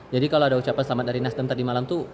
jadi kalau ada ucapan selamat dari nasdem tadi malam itu